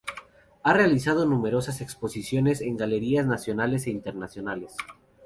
Ha realizado numerosas exposiciones en galerías nacionales e internacionales.